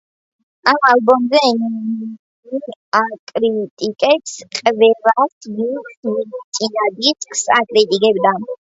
ამ ალბომზე ემინემი აკრიტიკებს ყველას, ვინც მის წინა დისკს აკრიტიკებდა.